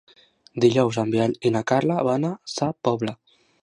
Dijous en Biel i na Carla van a Sa Pobla.